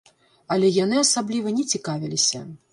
Але яны асабліва не цікавіліся.